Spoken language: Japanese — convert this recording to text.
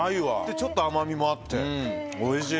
ちょっと甘みもあっておいしい。